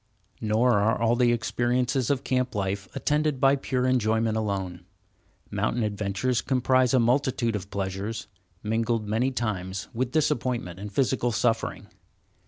Nor are all the experiences of camp life attended by pure enjoyment alone. Mountain adventures comprise a multitude of pleasures, mingled many times with disappointment and physical suffering.